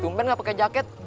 gumpen gak pake jaket